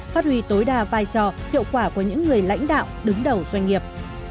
phát huy tối đa vai trò hiệu quả của những người lãnh đạo đứng đầu doanh nghiệp